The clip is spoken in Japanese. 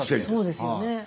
そうですよね。